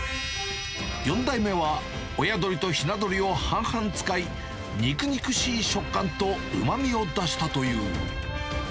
４代目は、親鶏とひな鶏を半々使い、肉肉しい食感とうまみを出したという。